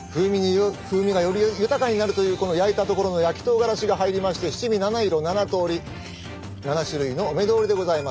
風味がより豊かになるというこの焼いたところの焼きとうがらしが入りまして七味七色七通り７種類のお目通りでございます。